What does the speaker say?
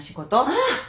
ああ。